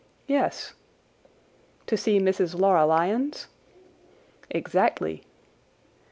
"Yes." "To see Mrs. Laura Lyons?" "Exactly."